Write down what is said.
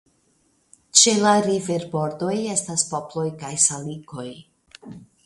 Ĉe la riverbordoj estas poploj kaj salikoj.